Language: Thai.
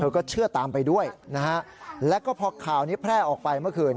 ก็เชื่อตามไปด้วยนะฮะแล้วก็พอข่าวนี้แพร่ออกไปเมื่อคืน